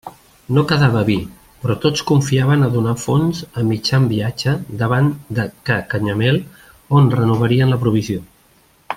No quedava vi, però tots confiaven a donar fons a mitjan viatge davant de ca Canyamel, on renovarien la provisió.